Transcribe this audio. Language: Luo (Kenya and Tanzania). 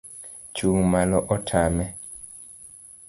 Chung' malo otame